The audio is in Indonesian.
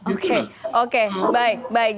oke oke baik baik